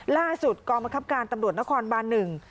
กองบังคับการตำรวจนครบานหนึ่ง